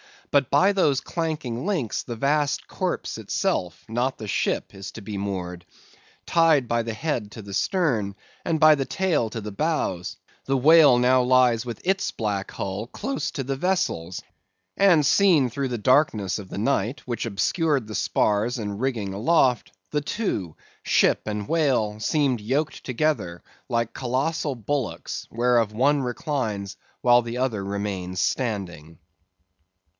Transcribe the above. But by those clanking links, the vast corpse itself, not the ship, is to be moored. Tied by the head to the stern, and by the tail to the bows, the whale now lies with its black hull close to the vessel's and seen through the darkness of the night, which obscured the spars and rigging aloft, the two—ship and whale, seemed yoked together like colossal bullocks, whereof one reclines while the other remains standing.